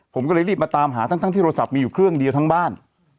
ผมก็เลยรีบมาตามหาทั้งที่โทรศัพท์มีอยู่เครื่องเดียวทั้งบ้าน